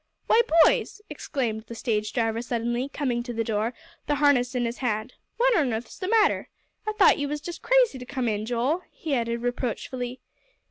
"Why, boys!" exclaimed the stage driver suddenly, coming to the door, the harness in his hand. "What on earth's the matter? I thought ye was jest crazy to come in, Joel," he added reproachfully.